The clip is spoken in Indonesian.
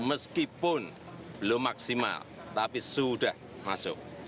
meskipun belum maksimal tapi sudah masuk